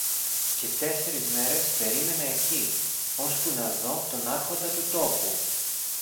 Και τέσσερεις μέρες περίμενα εκεί, ώσπου να δω τον Άρχοντα του τόπου.